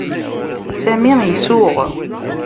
Sami isuɣ.